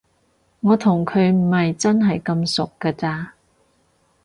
我同佢唔係真係咁熟㗎咋